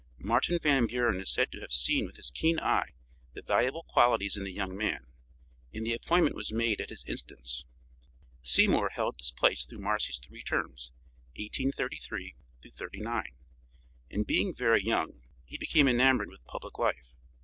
Martin Van Buren is said to have seen with his keen eye the valuable qualities in the young man, and the appointment was made at his instance. Seymour held this place through Marcy's three terms, 1833 39, and being very young, he became enamored with public life.